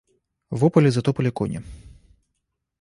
Во поле затопали кони.